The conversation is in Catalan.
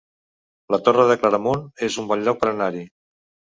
La Torre de Claramunt es un bon lloc per anar-hi